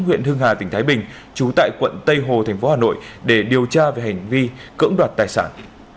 huyện hưng hà tỉnh thái bình trú tại quận tây hồ thành phố hà nội để điều tra về hành vi cưỡng đoạt tài sản